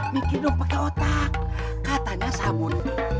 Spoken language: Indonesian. mikir dong pake otak katanya sabun